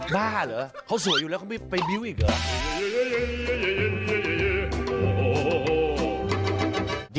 หน้าเหรอเขาสวยอยู่แล้วเขาไม่ไปบิ้วอีกเหรอ